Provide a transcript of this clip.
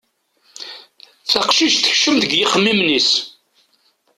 Taqcict tekcem deg yixemmimen-is.